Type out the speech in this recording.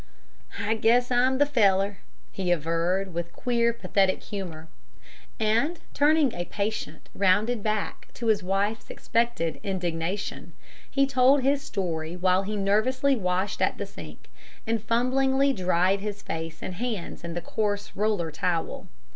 "I guess I'm the feller," he averred, with queer, pathetic humor. And turning a patient, rounded back to his wife's expected indignation, he told his story while he nervously washed at the sink, and fumblingly dried his face and hands in the coarse roller towel.